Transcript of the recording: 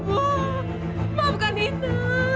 ibu maafkan ibu